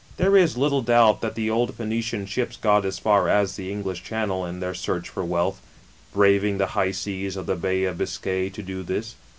There is little doubt, that the old Phoenician strps got as far as the English Channel, in their search for wealth, braving the high seas of the Bay of Biscay to do this.